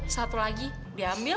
satu lagi diambil